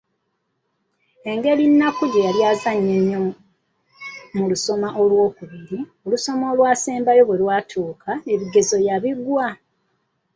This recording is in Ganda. Engeri Nnakku gye yali azannya ennyo mu lusoma olw’okubiri, olusoma olwasembayo bwe lwatuuka ebibuuzo yabiggwa.